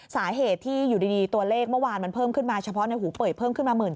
สาเหตุที่อยู่ดีเดินมันเพิ่มเฉพาะในหูเป่ยเพิ่มมา๑๔๐๐๐